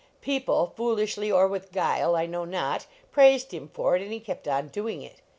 People foolishly or with guile, I know not praised him for it. And he kept on doing it.